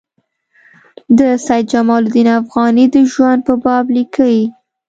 د سید جمال الدین افغاني د ژوند په باب لیکي.